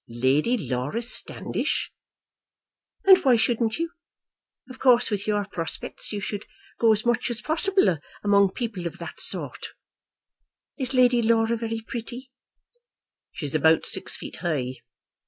"Lady Laura Standish!" "And why shouldn't you? Of course, with your prospects, you should go as much as possible among people of that sort. Is Lady Laura very pretty?" "She's about six feet high."